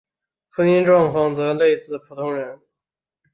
婚姻状况则类似普通人。